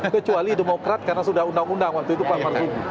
kecuali demokrat karena sudah undang undang waktu itu pak marsudi